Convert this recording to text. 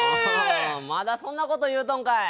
まだそんなこと言うとんかい！